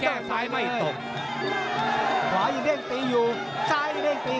เจ้าวซะยังแก้ซ้ายไม่ตกขวายิงเร่งตีอยู่ซ้ายยิงเร่งตี